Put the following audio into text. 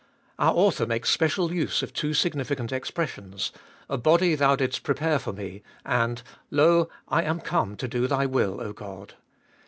Our author makes special use of two significant expressions, A body thou didst prepare for Me, and, Lo, I am come to do Thy will, 0 God.